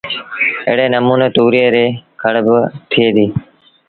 ايڙي نموٚني تُوريئي ريٚ کڙ با ٿئي ديٚ